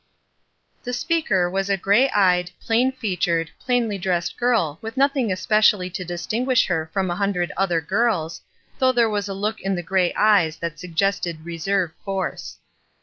'" The speaker was a gray eyed, plain featured, plainly dressed girl with nothing especially to distingmsh her from a hundred other girls, although there was a look in the gray eyes that suggested reserve force.